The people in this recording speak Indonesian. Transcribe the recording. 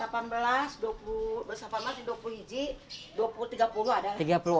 genep belas tujuh belas delapan belas dua puluh hijik tiga puluh adalah